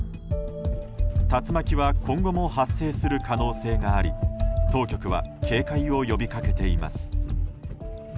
竜巻は今後も発生する可能性があり当局は警戒を呼びかけています。